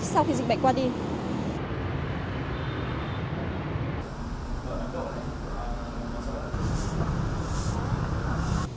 sau khi dịch bệnh qua đi